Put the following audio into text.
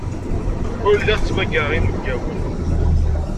Ur lliɣ ttmagareɣ inebgawen.